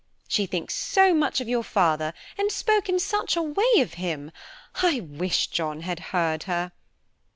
She thinks so much of your father, and spoke in such a way of him. I wish John had heard her!"